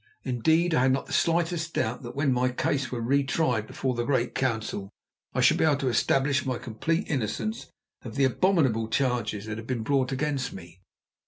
Indeed, I had not the slightest doubt but that when my case was re tried before the great council, I should be able to establish my complete innocence of the abominable charges that had been brought against me.